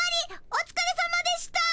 おつかれさまでした。